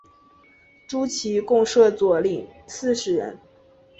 诸旗共设佐领四十人。